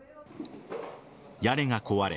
屋根が壊れ